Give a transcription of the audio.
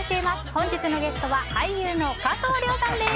本日のゲストは俳優の加藤諒さんです。